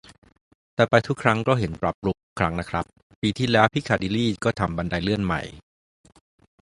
แต่ไปทุกครั้งก็เห็นปรับปรุงทุกครั้งนะครับ ปีที่แล้วพิคาดิลลีก็ทำบันไดเลื่อนใหม่